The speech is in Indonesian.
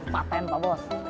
paten pak bos